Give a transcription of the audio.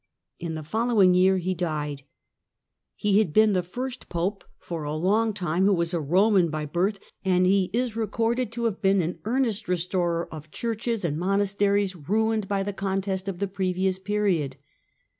In the following year he died. He had been the first Pope for a long time who was a Roman by birth, and he is recorded to have been an earnest restorer of churches and monasteries ruined by the contest of the previous period.